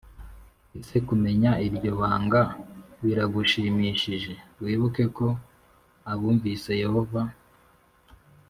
Ese kumenya iryo banga biragushimishije Wibuke ko abumvira Yehova